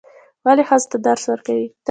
ولې ښځو ته درس ورکوئ؟